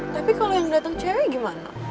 tapi kalau yang datang cewek gimana